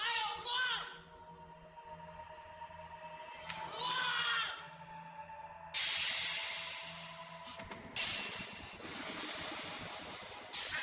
udah sekarang dimana hadi menyimpan barang barang berharga lainnya